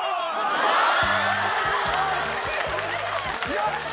よし！